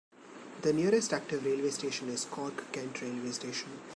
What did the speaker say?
The nearest active railway station is Cork Kent railway station.